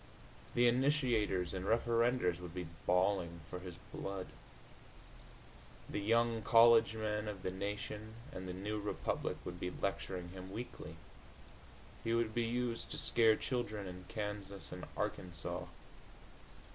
The initiators and referendors would be bawling for his blood. The young college men of the Nation and the New Republic would be lecturing him weekly. He would be used to scare children in Kansas and Arkansas.